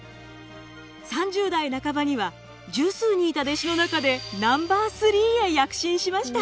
３０代半ばには十数人いた弟子の中でナンバー３へ躍進しました。